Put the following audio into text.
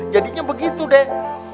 jadinya begitu deh